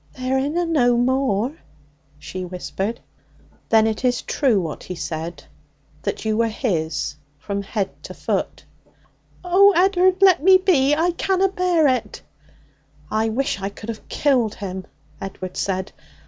'There inna no more,' she whispered. 'Then it is true what he said, that you were his from head to foot?' 'Oh, Ed'ard, let me be! I canna bear it!' 'I wish I could have killed him!' Edward said.